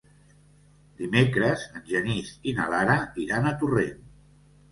Dimecres en Genís i na Lara iran a Torrent.